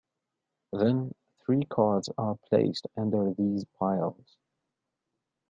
Then three cards are placed under these piles.